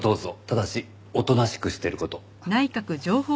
ただしおとなしくしてる事。